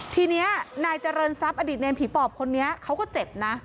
ทีนี้นายเจริญทรัพย์อดีตเนรผีปอบคนนี้เขาก็เจ็บนะ